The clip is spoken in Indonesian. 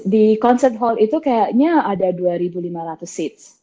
di concert hall itu kayaknya ada dua lima ratus seats